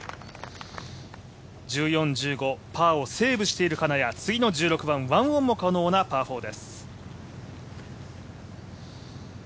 １４、１５番、パーをセーブしている、次の１６番１オンも可能なパー４です。